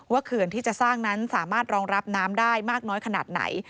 เขื่อนที่จะสร้างนั้นสามารถรองรับน้ำได้มากน้อยขนาดไหน